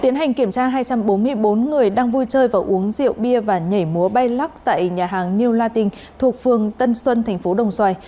bốn mươi bốn người đang vui chơi và uống rượu bia và nhảy múa bay lắc tại nhà hàng new latin thuộc phường tân xuân thành phố đồng xoài